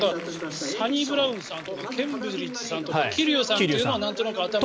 サニブラウンさんとかケンブリッジさんとか桐生さんというのはなんとなく頭に。